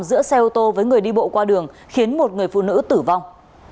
giữa xe ô tô với người đi bộ qua đường khiến một người phụ nữ tử vong